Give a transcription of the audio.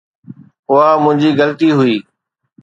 اها منهنجي غلطي هئي